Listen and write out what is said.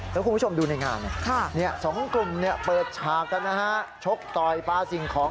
แล้วคุณผู้ชมดูในงานสองกลุ่มเปิดฉากกันนะฮะชกต่อยปลาสิ่งของ